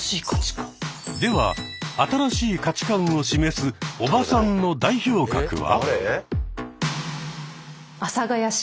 では新しい価値観を示す「おばさん」の代表格は？